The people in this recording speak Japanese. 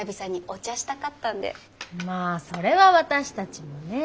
まあそれは私たちもねえ。